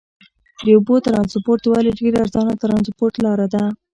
د اوبو ترانسپورت ولې ډېره ارزانه ترانسپورت لار ده؟